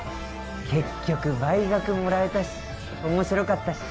結局倍額もらえたし面白かったし。